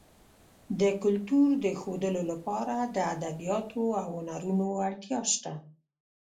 د کلتور د ښودلو لپاره د ادبیاتو او هنرونو اړتیا شته.